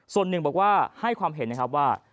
ส่วนหนึ่งบอกว่าให้ความเห็นนะครับว่า